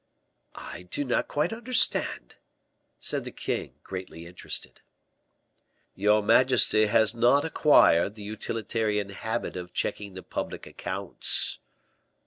"I do not quite understand," said the king, greatly interested. "Your majesty has not acquired the utilitarian habit of checking the public accounts."